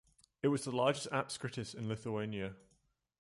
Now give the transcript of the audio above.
It was the largest apskritis in Lithuania.